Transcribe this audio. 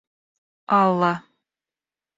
Алла